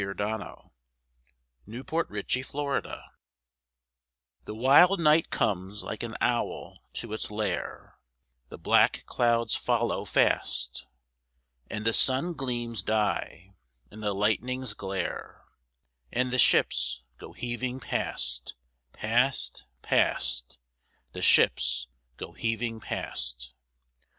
God Help Our Men at Sea The wild night comes like an owl to its lair, The black clouds follow fast, And the sun gleams die, and the lightnings glare, And the ships go heaving past, past, past The ships go heaving past!